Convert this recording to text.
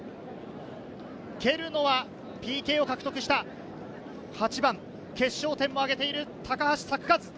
蹴るのはＰＫを獲得した８番、決勝点も挙げている高橋作和。